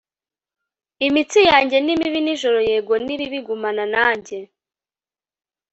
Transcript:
Imitsi yanjye ni mibi nijoro Yego ni bibi Gumana nanjye